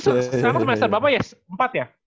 sekarang semester bapak ya empat ya